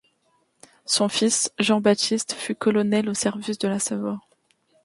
Son fils, Jean-Baptiste fut colonel au service de la Savoie.